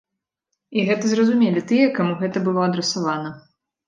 І гэта зразумелі тыя, каму гэта было адрасавана.